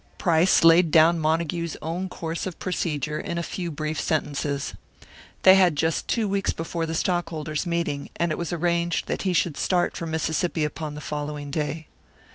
Price laid down Montague's own course of procedure in a few brief sentences. They had just two weeks before the stockholders' meeting, and it was arranged that he should start for Mississippi upon the following day.